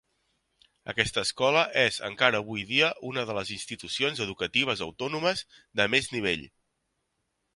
Aquesta escola és encara avui dia una de les institucions educatives autònomes de més nivell.